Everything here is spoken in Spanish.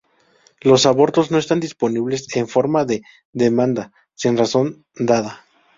Los abortos no están disponibles en forma de demanda, sin razón dada.